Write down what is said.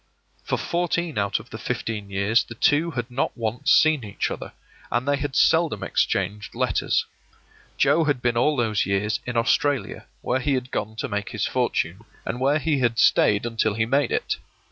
For fourteen out of the fifteen years the two had not once seen each other, and they had seldom exchanged letters. Joe had been all those years in Australia, where he had gone to make his fortune, and where he had stayed until he made it.